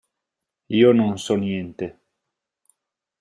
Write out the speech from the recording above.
Io non so niente.